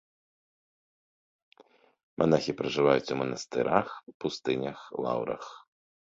Манахі пражываюць у манастырах, пустынях, лаўрах.